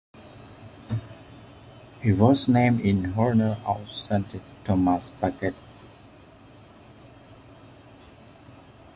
He was named in honour of Saint Thomas Becket.